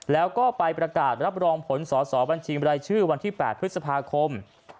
แล้วก็ไปประกาศรับรองผลสอสอบัญชีบรายชื่อวันที่๘พฤษภาคม